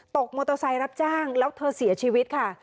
มอเตอร์ไซค์รับจ้างแล้วเธอเสียชีวิตค่ะ